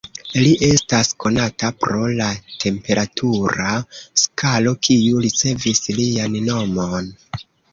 Li estas konata pro la temperatura skalo, kiu ricevis lian nomon.